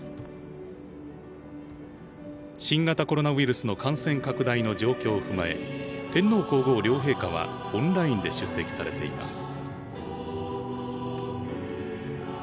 新型コロナウイルスの感染拡大の状況を踏まえ天皇皇后両陛下はオンラインで出席されています。